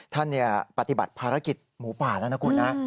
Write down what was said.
ปฏิบัติภารกิจหมูป่าแล้วนะคุณนะ